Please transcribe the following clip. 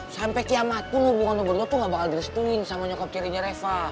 sampe kiamat pun hubungan lo berdua tuh gak bakal direstuin sama nyokap tirinya reva